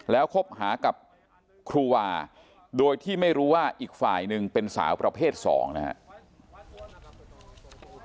แล้วคบหากับครูวาโดยที่ไม่รู้ว่าอีกฝ่ายหนึ่งเป็นสาวประเภท๒นะครับ